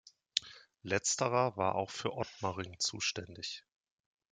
Letzterer war auch für Ottmaring zuständig.